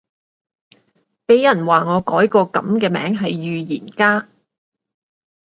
俾人話我改個噉嘅名係預言家